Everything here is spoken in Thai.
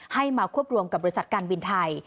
ให้มาควบรวมกับบริษัทการบินไทย